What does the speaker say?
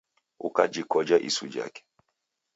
Ukajikoja isu jake.